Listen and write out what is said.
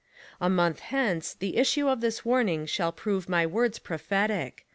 A month hence the issue of this warning shall prove my words prophetic.